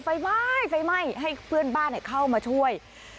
ไฟไหม้ไฟไหม้ให้เพื่อนบ้านเข้ามาช่วย